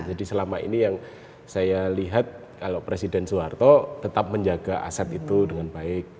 jadi selama ini yang saya lihat kalau presiden soeharto tetap menjaga aset itu dengan baik